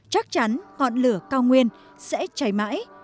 chắc chắn họn lửa cao nguyên sẽ chảy mãi